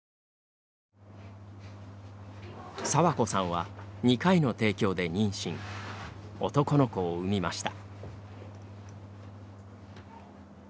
佐和子さんは、２回の提供で妊娠男の子を産みました。